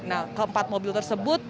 nah keempat mobil tersebut